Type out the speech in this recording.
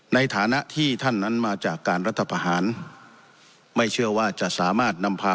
ในฐานะที่ท่านนั้นมาจากการรัฐประหารไม่เชื่อว่าจะสามารถนำพา